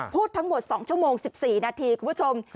พูดทั้งหมด๒ชั่วโมง๑๔นาทีคุณผู้ชม